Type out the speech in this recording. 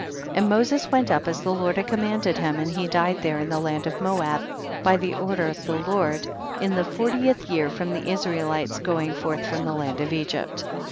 10. And Moses went up as the Lord had commanded him, and he died there in the land of Moab by the order of the Lord, in the fortieth year from the Israelites going forth from the land of Egypt.